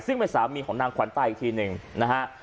ซึ่งเป็นสามีของนางขวัญตาอีกทีหนึ่งนะฮะ